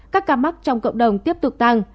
các ca mắc trong cộng đồng tiếp tục tăng